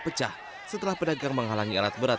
pecah setelah pedagang menghalangi alat berat